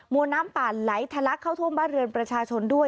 วนน้ำป่าไหลทะลักเข้าท่วมบ้านเรือนประชาชนด้วย